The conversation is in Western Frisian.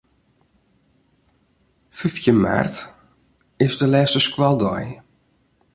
Fyftjin maart is de lêste skoaldei.